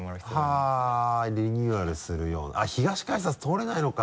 はぁリニューアルするようなあっ東改札通れないのか。